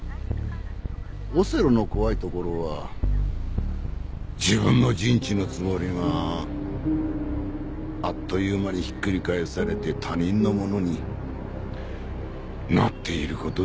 オセロの怖いところは自分の陣地のつもりがあっという間にひっくり返されて他人のものになっている事だよね。